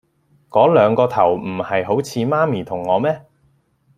嗰兩個頭唔係好似媽咪同我咩